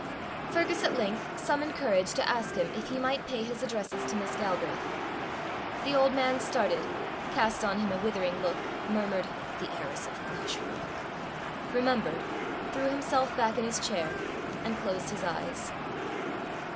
Fergus at length summoned courage to ask him if he might pay his addresses to Miss Galbraith. The old man started, cast on him a withering look, murmured "The heiress of Glashruach!" remembered, threw himself back in his chair, and closed his eyes.